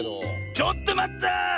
ちょっとまった！